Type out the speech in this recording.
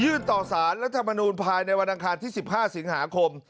ยื่นต่อศาลรัฐธรรมนุนภายในวันอังคาศ๑๕สิงหาคม